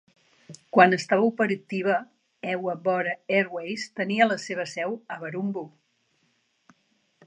Quan estava operativa, Hewa Bora Airways tenia la seva seu a Barumbu.